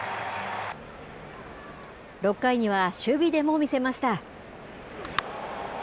６回には守備でも見せました。